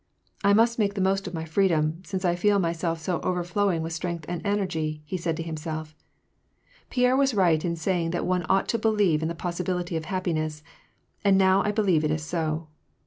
" I must make the most of my freedom, since 1 feel myself so overflowing with strength and energy," said he to himself. " Pierre was right in saying that one ought to believe in the possibility of happiness, and now I believe it is so.